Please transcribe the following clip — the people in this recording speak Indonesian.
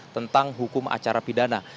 tentang hukum acara pidana